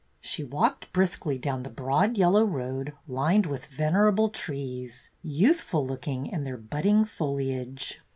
She walked briskly down the broad yellow road, lined with venerable trees, youthful looking in their budding foliage.